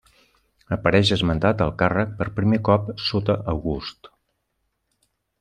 Apareix esmentat el càrrec per primer cop sota August.